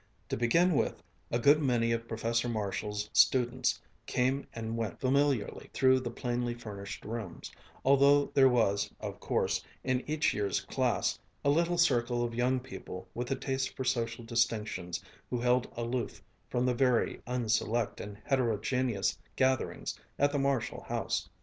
To begin with, a good many of Professor Marshall's students came and went familiarly through the plainly furnished rooms, although there was, of course, in each year's class, a little circle of young people with a taste for social distinctions who held aloof from the very unselect and heterogeneous gatherings at the Marshall house.